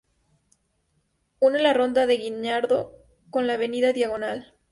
Une la ronda del Guinardó con la avenida Diagonal.